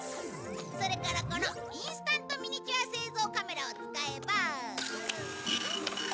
それからこのインスタントミニチュア製造カメラを使えば。